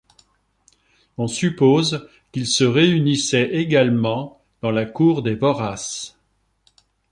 On suppose qu'ils se réunissaient également dans la cour des Voraces.